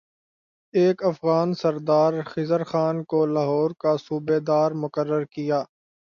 ایک افغان سردار خضر خان کو لاہور کا صوبہ دار مقرر کیا